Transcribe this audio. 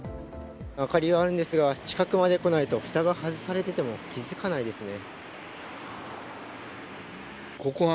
明かりはあるんですが近くまで来ないとふたが外されていても気付かないですね。